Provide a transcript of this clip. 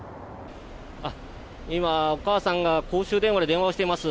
今、お母さんが公衆電話で電話をしています。